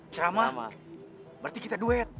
ceramah berarti kita duet